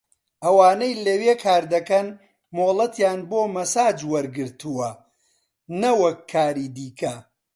ئەوانەی لەوێ کاردەکەن مۆڵەتیان بۆ مەساج وەرگرتووە نەوەک کاری دیکە